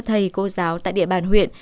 thầy cô giáo tại địa bàn huyện